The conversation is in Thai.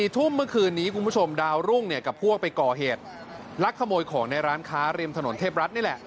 ทุ่มเมื่อคืนนี้คุณผู้ชมดาวรุ่งกับพวกไปก่อเหตุลักขโมยของในร้านค้าริมถนนเทพรัฐนี่แหละ